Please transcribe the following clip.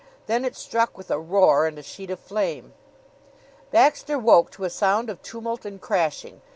Then it struck with a roar and a sheet of flame. Baxter woke to a sound of tumult and crashing.